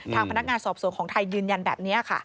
ทางพนักงานสอบสวนของไทยยืนยันแบบนี้ค่ะ